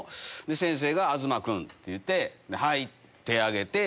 先生が「東君」って言うて「はい」って手挙げて。